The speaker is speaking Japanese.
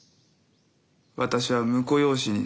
私は婿養子になる。